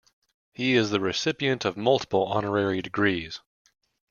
He is the recipient of multiple honorary degrees.